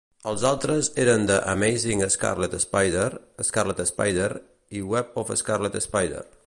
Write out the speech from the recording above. Els altres eren "The Amazing Scarlet Spider", "Scarlet Spider" i "Web of Scarlet Spider".